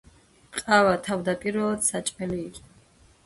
ყავა თავდაპირველად საჭმელი იყო.